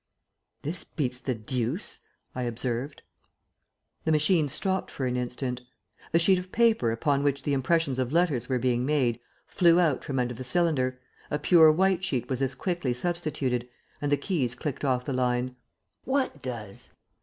"This beats the deuce!" I observed. The machine stopped for an instant. The sheet of paper upon which the impressions of letters were being made flew out from under the cylinder, a pure white sheet was as quickly substituted, and the keys clicked off the line: "What does?"